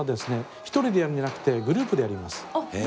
１人でやるんじゃなくてグループでやります。